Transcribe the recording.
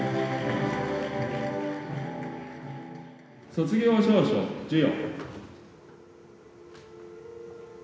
卒業証書授与。